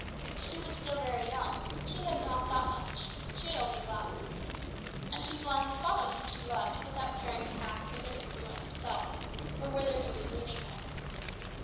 She was still very young; and she had not thought much she had only loved. And she blindly followed him she loved, without caring to ask whither he was going himself, or whither he was leading her.